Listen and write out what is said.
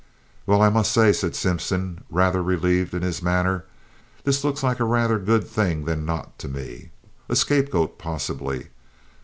"Well, I must say," said Simpson, rather relieved in his manner, "this looks like a rather good thing than not to me. A scapegoat possibly.